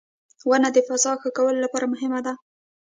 • ونه د فضا ښه کولو لپاره مهمه ده.